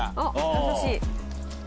優しい。